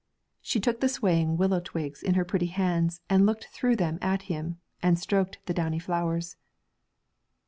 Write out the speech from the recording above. She took the swaying willow twigs in her pretty hands and looked through them at him and stroked the downy flowers.